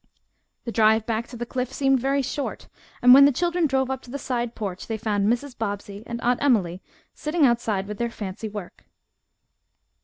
The drive back to the Cliff seemed very short, and when the children drove up to the side porch they found Mrs. Bobbsey and Aunt Emily sitting outside with their fancy work.